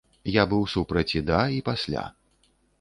Я быў супраць і да, і пасля.